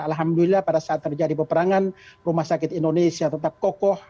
alhamdulillah pada saat terjadi peperangan rumah sakit indonesia tetap kokoh